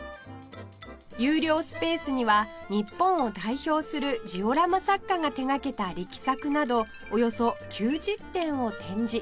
有料スペースには日本を代表するジオラマ作家が手掛けた力作などおよそ９０点を展示